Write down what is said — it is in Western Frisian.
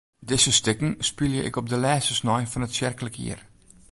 Dizze stikken spylje ik op de lêste snein fan it tsjerklik jier.